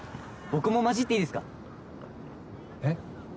僕も混じっていいですか？